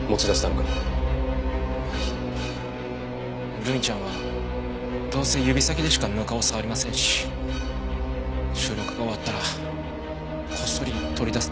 ルミちゃんはどうせ指先でしかぬかを触りませんし収録が終わったらこっそり取り出すつもりでした。